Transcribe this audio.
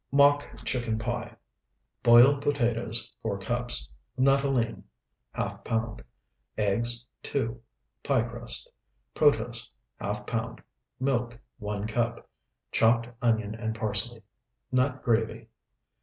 MOCK CHICKEN PIE Boiled potatoes, 4 cups. Nuttolene, ½ pound. Eggs, 2. Pie crust. Protose, ½ pound. Milk, 1 cup. Chopped onion and parsley. Nut gravy.